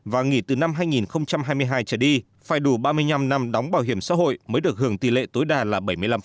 và nghỉ từ năm hai nghìn hai mươi hai trở đi phải đủ ba mươi năm năm đóng bảo hiểm xã hội mới được hưởng tỷ lệ tối đa là bảy mươi năm